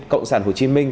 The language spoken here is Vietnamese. cộng sản hồ chí minh